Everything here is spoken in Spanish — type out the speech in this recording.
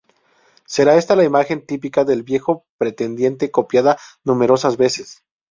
Será esta la imagen típica del "Viejo Pretendiente", copiada numerosas veces.